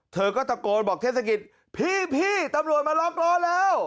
เธอก็ตะโกนบอกเทศกิจพี่ตำรวจมาล็อกล้อแล้ว